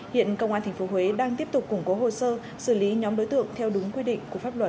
hiện công an tp huế đang tiếp tục củng cố hồ sơ xử lý nhóm đối tượng theo đúng quy định của pháp luật